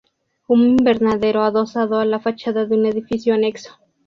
Un invernadero adosado a la fachada de un edificio anexo.